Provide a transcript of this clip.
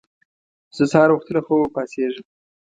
زه سهار وختي له خوبه پاڅېږم